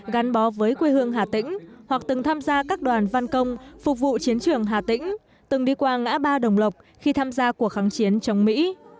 gắn bó với quê hương hà tĩnh hoặc từng tham gia các đoàn văn công phục vụ chiến trường hà tĩnh từng đi qua ngã ba đồng lộc khi tham gia cuộc kháng chiến chống mỹ